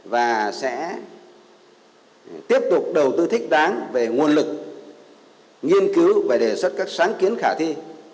và sẽ tiếp tục đầu tư thích đáng về nguồn lực nghiên cứu và đề xuất các sáng kiến khả thi